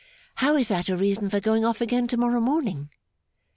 'How is that a reason for going off again to morrow morning?